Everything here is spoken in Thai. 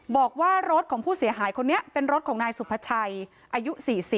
บอกว่ารถของผู้เสียหายคนนี้เป็นรถของนายสุภาชัยอายุ๔๐